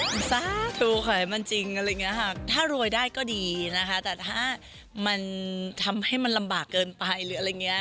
มันสาธุค่ะให้มันจริงอะไรอย่างนี้ค่ะถ้ารวยได้ก็ดีนะคะแต่ถ้ามันทำให้มันลำบากเกินไปหรืออะไรอย่างนี้